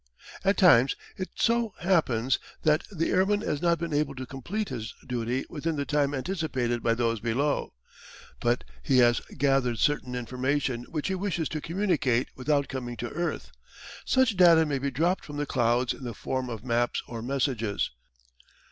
At times it so happens that the airman has not been able to complete his duty within the time anticipated by those below. But he has gathered certain information which he wishes to communicate without coming to earth. Such data may be dropped from the clouds in the form of maps or messages.